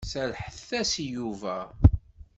Serrḥet-as-d i Yuba.